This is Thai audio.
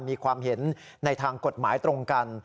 มีความเห็นในทางกฎหมายตรงกัน